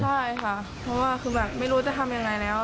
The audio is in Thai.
เพราะว่าคือแบบไม่รู้จะทำอย่างไรแล้วค่ะ